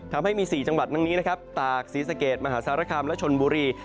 ทำให้มี๔จังหวัดตรงนี้ตากศรีสเกตมหาศาลคามและชลบุรี